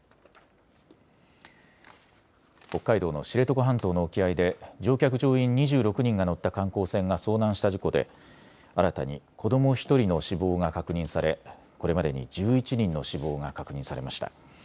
北海道の知床半島の沖合で乗客・乗員２６人が乗った観光船が遭難した事故で新たに子ども１人の死亡が確認され、これまでに１１人の死亡が確認されました。